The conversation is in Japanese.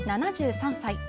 ７３歳。